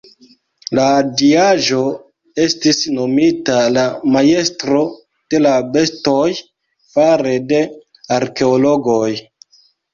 La diaĵo estis nomita la "Majstro de la Bestoj" fare de arkeologoj.